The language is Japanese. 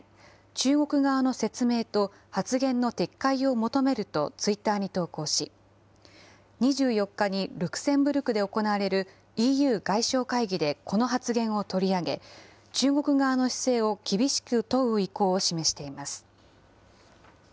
中国側の説明と発言の撤回を求めるとツイッターに投稿し、２４日にルクセンブルクで行われるＥＵ外相会議でこの発言を取り上げ、中国側の姿勢を厳しく問う意向を示しています。